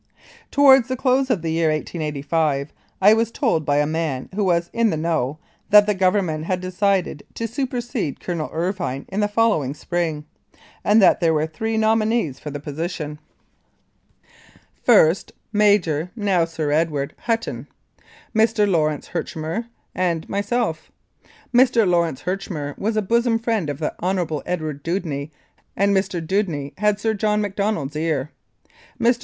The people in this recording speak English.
Towards the close of the year 1885 I was told by a man who was "in the know" that the Government had decided to supersede Colonel Irvine in the following spring, and that there were three nominees for the posi 29 Mounted Police Life in Canada tion : first, Major (now Sir Edward) Hutton ; Mr. Lawrence Herchmer; and myself. Mr. Lawrence Herchmer was a bosom friend of the Hon. Edgar Dewdney, and Mr. Dewdney had Sir John Macdonald's ear. Mr.